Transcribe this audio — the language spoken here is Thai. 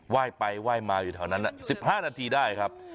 ยไปไหว้มาอยู่แถวนั้น๑๕นาทีได้ครับ